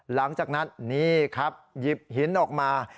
หลังจากนั้นนี่ครับหยิบหินออกมา